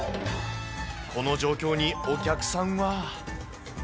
この状況に、お客さんは。